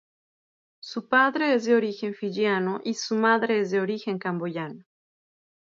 Su padre es de origen fiyiano y su madre es de origen camboyano.